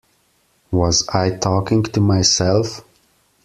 Was I talking to myself?